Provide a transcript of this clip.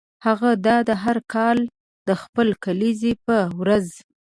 هغه دا ده هر کال د خپلې کلیزې په ورځ.